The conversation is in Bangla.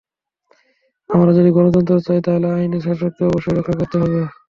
আমরা যদি গণতন্ত্র চাই, তাহলে আইনের শাসনকে অবশ্যই রক্ষা করতে হবে।